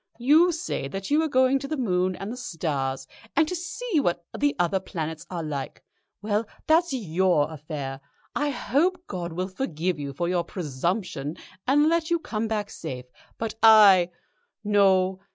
You say that you are going to the moon and the stars, and to see what the other planets are like. Well, that's your affair. I hope God will forgive you for your presumption, and let you come back safe, but I No.